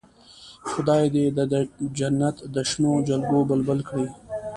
خدای دې د جنت د شنو جلګو بلبل کړي.